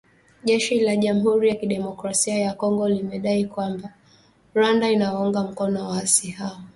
Jeshi la Jamhuri ya Kidemokrasia ya Kongo limedai kwamba, Rwanda inawaunga mkono waasi hao kutekeleza mashambulizi